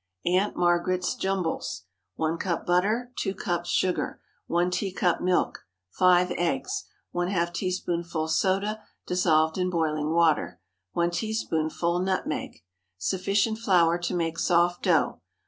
AUNT MARGARET'S JUMBLES. 1 cup butter. 2 cups sugar. 1 teacup milk. 5 eggs. ½ teaspoonful soda dissolved in boiling water. 1 teaspoonful nutmeg. Sufficient flour to make soft dough.